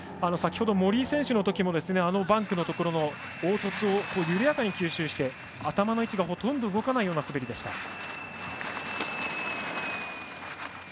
先ほど、森井選手のときもバンクのところの凹凸を緩やかに吸収して頭の位置がほとんど動かない滑りでした。